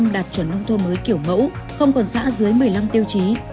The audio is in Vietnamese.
năm đạt chuẩn nông thôn mới kiểu mẫu không còn xã dưới một mươi năm tiêu chí